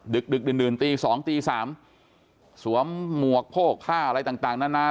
ดึกดื่นตี๒ตี๓สวมหมวกโพกผ้าอะไรต่างนานา